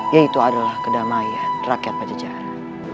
yaitu adalah kedamaian rakyat pajajar